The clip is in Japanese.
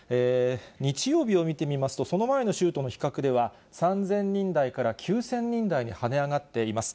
日曜日を見てみますと、その前の週との比較では、３０００人台から９０００人台にはね上がっています。